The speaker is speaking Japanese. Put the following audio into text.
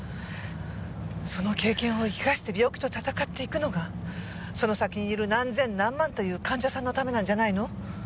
その経験を生かして病気と闘っていくのがその先にいる何千何万という患者さんのためなんじゃないの？